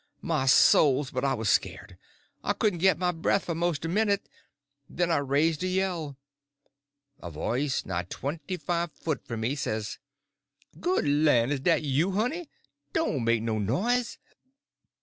My souls, but I was scared! I couldn't get my breath for most a minute. Then I raised a yell. A voice not twenty five foot from me says: "Good lan'! is dat you, honey? Doan' make no noise."